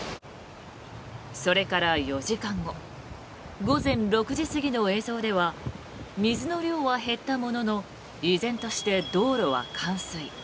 それから４時間後午前６時過ぎの映像では水の量は減ったものの依然として道路は冠水。